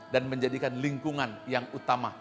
dan menjadikan lingkungan yang utama